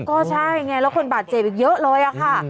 ก็ใช่ไงแล้วคนบาดเจ็บอีกเยอะเลยอะค่ะ